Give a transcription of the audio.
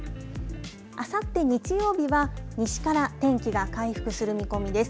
あさって日曜日は西から天気が回復する見込みです。